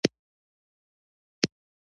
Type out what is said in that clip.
د پیر دستګیر کمالات طالبان له اسمانه راکوزوي.